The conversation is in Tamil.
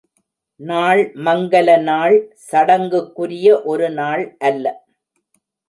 நாள் மங்கல நாள் சடங்குக்குரிய ஒரு நாள் அல்ல.